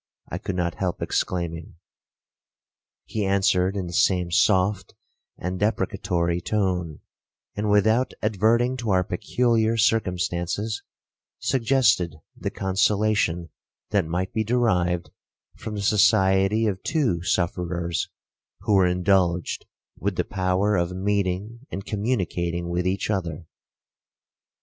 I could not help exclaiming. He answered in the same soft and deprecatory tone; and, without adverting to our peculiar circumstances, suggested the consolation that might be derived from the society of two sufferers who were indulged with the power of meeting and communicating with each other.